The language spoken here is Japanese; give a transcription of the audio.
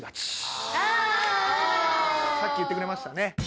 さっき言ってくれましたね。